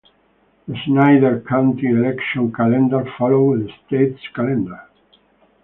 The Snyder County Election Calendar follows the state's calendar.